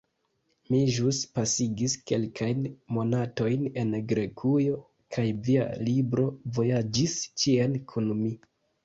Mi ĵus pasigis kelkajn monatojn en Grekujo, kaj via libro vojaĝis ĉien kun mi.